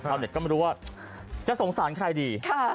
เข้าเน็ตก็ไม่รู้ว่าจะสงสารใครดี